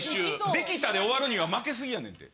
できたで終わるには負けすぎやねんて。